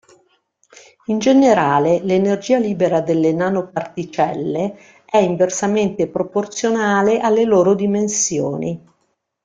In generale, l'energia libera delle nanoparticelle è inversamente proporzionale alle loro dimensioni.